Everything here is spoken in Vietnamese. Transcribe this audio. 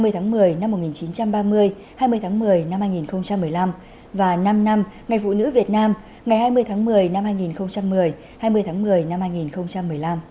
hai mươi tháng một mươi năm một nghìn chín trăm ba mươi hai mươi tháng một mươi năm hai nghìn một mươi năm và năm năm ngày phụ nữ việt nam ngày hai mươi tháng một mươi năm hai nghìn một mươi hai mươi tháng một mươi năm hai nghìn một mươi năm